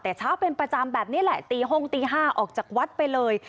แต่เช้าเป็นประจำแบบนี้แหละตีห้องตี๕ออกจากวัดไปเลย